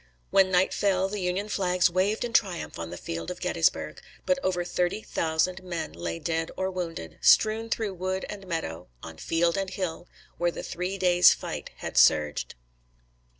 When night fell, the Union flags waved in triumph on the field of Gettysburg; but over thirty thousand men lay dead or wounded, strewn through wood and meadow, on field and hill, where the three days' fight had surged.